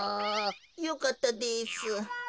よかったです。